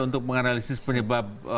untuk menganalisis penyebab